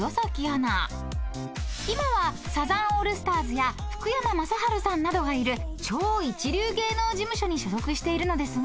［今はサザンオールスターズや福山雅治さんなどがいる超一流芸能事務所に所属しているのですが］